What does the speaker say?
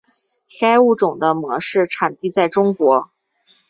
该物种的模式产地在中国。